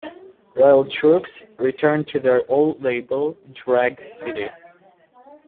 Royal Trux returned to their old label Drag City.